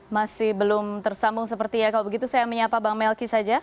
masih belum tersambung seperti ya kalau begitu saya menyapa bang melki saja